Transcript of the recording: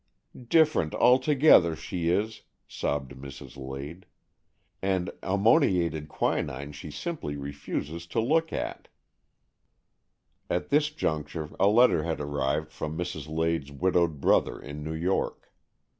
" Different altogether, she is," sobbed Mrs. Lade. AN EXCHANGE OF SOULS 145 " And ammoniated quinine she simply refuses to look at." At this juncture a letter had arrived from Mrs. Lade's widowed brother in New York.